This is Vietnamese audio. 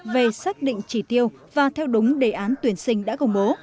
về xác định chỉ tiêu và theo đúng đề án tuyển sinh đã công bố